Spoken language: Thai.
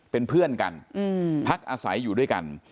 เป็นเพื่อนกันพักอาศัยอยู่ด้วยกัน